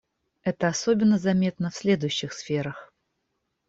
Это особенно заметно в следующих сферах.